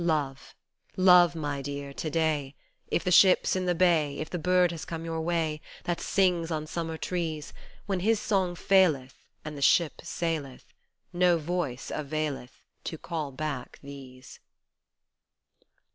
Love, Love, my dear, to day, If the ship's in the bay, If the bird has come your way That sings on summer trees ; When his song faileth And the ship saileth No voice availeth To call back these.